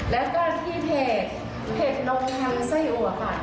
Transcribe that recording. แล้วก็ที่เพจเพจโรงพยายามไส้อวกค่ะ